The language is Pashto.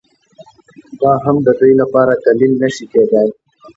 دا هم د دوی لپاره دلیل نه شي کېدای